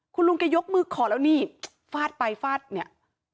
คุณลุงแกยกมือขอแล้วนี่ฟาดไปฟาดเนี่ย